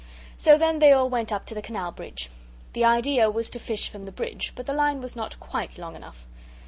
So then they all went up to the Canal bridge. The idea was to fish from the bridge, but the line was not quite long enough.